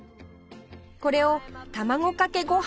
これを卵かけご飯